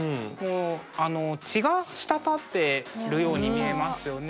血がしたたってるように見えますよね。